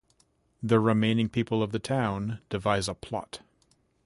The remaining people of the town devise a plot.